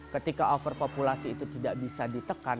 ketika overpopulasi itu tidak bisa ditekan